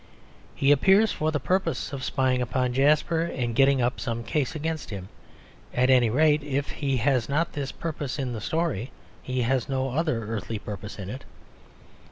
He appears for the purpose of spying upon Jasper and getting up some case against him; at any rate, if he has not this purpose in the story he has no other earthly purpose in it.